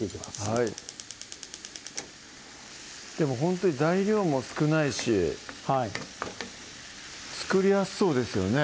はいほんとに材料も少ないしはい作りやすそうですよね